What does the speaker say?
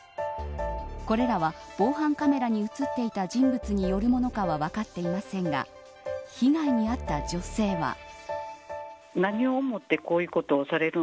これらは防犯カメラに映っていた人物によるものかは分かっていませんが被害に遭った女性は。